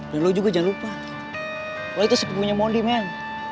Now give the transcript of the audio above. dan lo juga jangan lupa lo itu sepupunya mondi men